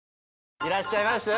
いらっしゃいましたよ